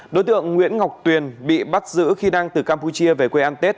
đối tượng nguyễn ngọc tuyền bị bắt giữ khi đang từ campuchia về quê ăn tết